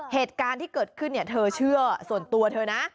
เหตุการณ์ที่เกิดขึ้นเธอเชื่อส่วนตัวเธอนะ